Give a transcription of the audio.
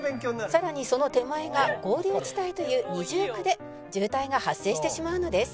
「さらにその手前が合流地帯という二重苦で渋滞が発生してしまうのです」